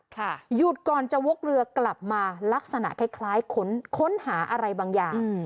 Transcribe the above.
หยุดก่อนจะวกเรือกลับมาลักษณะคล้ายค้นหาอะไรบางอย่าง